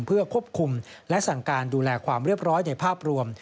เพื่อควบคุมและสั่งการดูแลความเรียบร้อยในภาพรวม